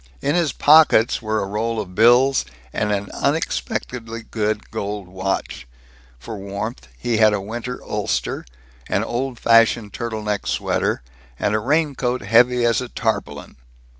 In his pockets were a roll of bills and an unexpectedly good gold watch. For warmth he had a winter ulster, an old fashioned turtle neck sweater, and a raincoat heavy as tarpaulin.